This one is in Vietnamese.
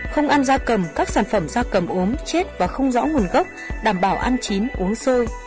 không ăn da cầm các sản phẩm da cầm ốm chết và không rõ nguồn gốc đảm bảo ăn chín uống sơ